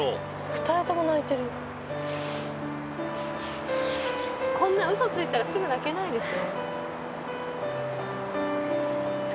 ２人とも泣いてるこんなウソついてたらすぐ泣けないですよ